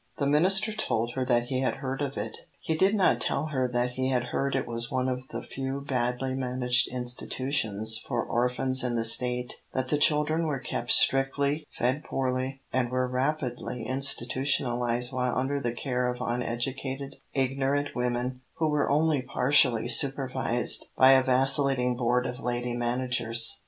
The minister told her that he had heard of it. He did not tell her that he had heard it was one of the few badly managed institutions for orphans in the State, that the children were kept strictly, fed poorly, and were rapidly "institutionalised" while under the care of uneducated, ignorant women, who were only partially supervised by a vacillating board of lady managers.